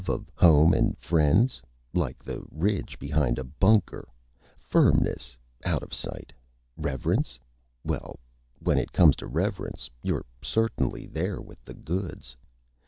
Love of Home and Friends like the ridge behind a Bunker! Firmness out of sight! Reverence well, when it comes to Reverence, you're certainly There with the Goods!